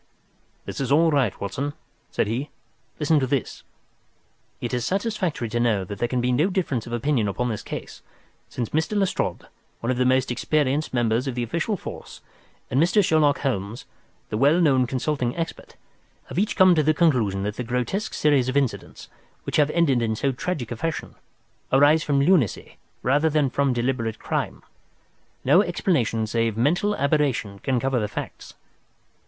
"This is all right, Watson," said he. "Listen to this: "It is satisfactory to know that there can be no difference of opinion upon this case, since Mr. Lestrade, one of the most experienced members of the official force, and Mr. Sherlock Holmes, the well known consulting expert, have each come to the conclusion that the grotesque series of incidents, which have ended in so tragic a fashion, arise from lunacy rather than from deliberate crime. No explanation save mental aberration can cover the facts.